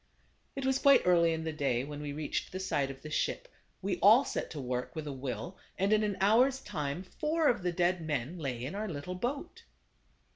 It was quite early in the day when we reached the side of the ship. We all set to work with a will, and in an hour's time four of the dead men lay in our little boat.